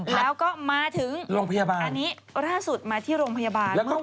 แล้วก็มาถึงอันนี้ล่าสุดมาที่โรงพยาบาลเมื่อวานนี้